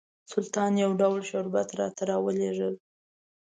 سلطان یو ډول شربت راته راولېږل.